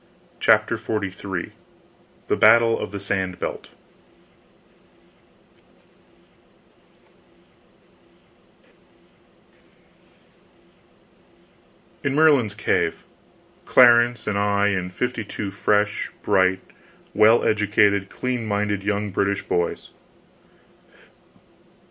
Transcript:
CHAPTER XLIII THE BATTLE OF THE SAND BELT In Merlin's Cave Clarence and I and fifty two fresh, bright, well educated, clean minded young British boys.